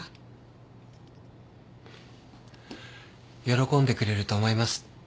喜んでくれると思います。